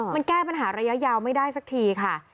มันแก้ปัญหาระยะยาวไม่ได้สักทีค่ะ